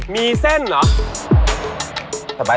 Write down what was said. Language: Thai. มีเส้นเหรอ